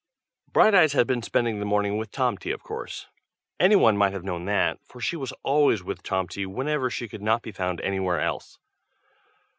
BRIGHTEYES had been spending the morning with Tomty of course; anyone might have known that, for she was always with Tomty whenever she could not be found anywhere else.